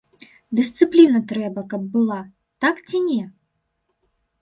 Дысцыпліна трэба, каб была, так ці не?